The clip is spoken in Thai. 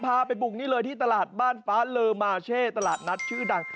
พาไปบุกนี่เลยที่ตลาดบ้านฟ้าเลอมาเช่ตลาดนัดชื่อดัง